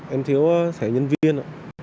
em thiếu thẻ nhân viên